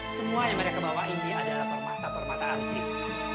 semua yang mereka bawa ini adalah permata permata aktif